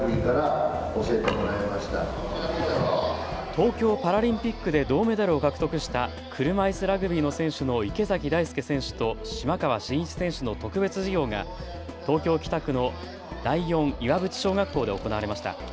東京パラリンピックで銅メダルを獲得した車いすラグビーの選手の池崎大輔選手と島川慎一選手の特別授業が東京北区の第四岩淵小学校で行われました。